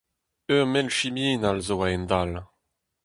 Ur mell siminal zo a-hend-all.